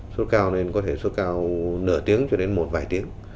sốt cao nên có thể sốt cao nửa tiếng cho đến một vài tiếng